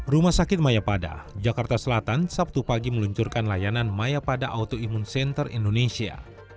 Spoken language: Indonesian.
rumah sakit mayapada jakarta selatan sabtu pagi meluncurkan layanan maya pada autoimun center indonesia